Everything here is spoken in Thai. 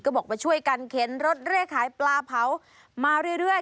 ก็บอกมาช่วยกันเข็นรถเลขขายปลาเผามาเรื่อย